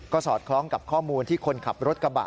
สอดคล้องกับข้อมูลที่คนขับรถกระบะ